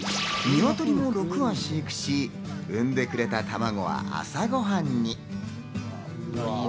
鶏も６羽飼育し、産んでくれた卵は、朝ご飯に。